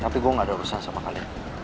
tapi gue gak ada urusan sama kalian